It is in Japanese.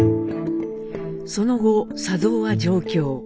その後佐三は上京。